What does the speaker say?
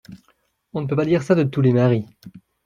On ne peut pas dire ça de tous les maris.